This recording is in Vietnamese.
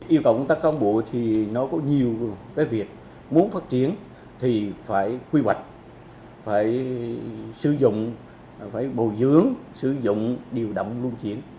yêu cầu công tác cán bộ thì nó có nhiều cái việc muốn phát triển thì phải quy hoạch phải sử dụng phải bồi dưỡng sử dụng điều động luân chuyển